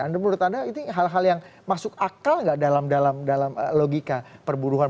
anda menurut anda ini hal hal yang masuk akal nggak dalam logika perburuan